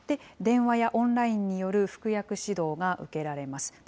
電話やオンラインによる服薬指導が受けられます。